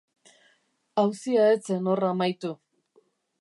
Auzia ez zen hor amaitu.